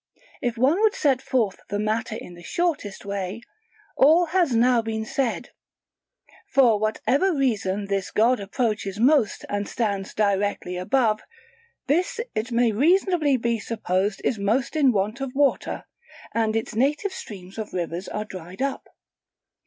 If one would set forth the matter in the shortest way, all has now been said; for whatever region this god approaches most and stands directly above, this it may reasonably be supposed is most in want of water, and its native streams of rivers are dried up most.